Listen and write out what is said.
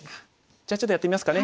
じゃあちょっとやってみますかね。